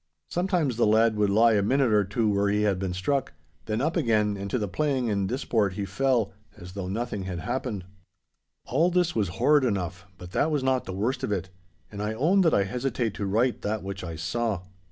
Sometimes the lad would lie a minute or two where he had been struck, then up again, and to the playing and disport he fell, as though nothing had happened. All this was horrid enough, but that was not the worst of it, and I own that I hesitate to write that which I saw.